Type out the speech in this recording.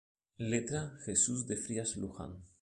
Letra: Jesús de Frías Luján.